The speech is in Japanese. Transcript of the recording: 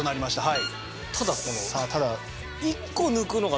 はい。